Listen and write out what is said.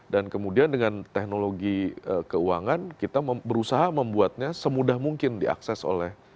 dan kemudian dengan teknologi keuangan kita berusaha membuatnya semudah mungkin diakses oleh